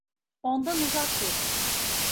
Ondan uzak dur!